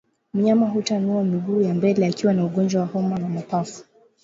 Mnyama hutanua miguu ya mbele akiwa na ugonjwa wa homa ya mapafu